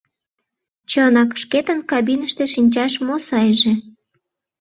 Чынак, шкетын кабиныште шинчаш мо сайже?